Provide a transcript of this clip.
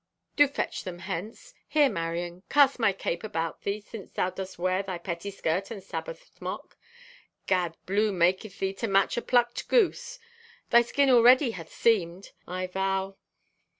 Do fetch them hence. Here, Marion, cast my cape about thee, since thou dost wear thy pettiskirt and Sabboth smock. Gad! Blue maketh thee to match a plucked goose. Thy skin already hath seamed, I vow.